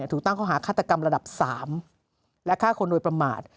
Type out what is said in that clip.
ถูกตั้งข้อหาฆาตกรรมระดับ๓และฆ่าคนโดยประมาท